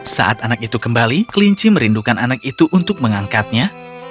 saat anak itu kembali kelinci merindukan anak itu untuk mengangkatnya